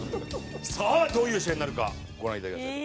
さあどういう試合になるかご覧いただきましょう。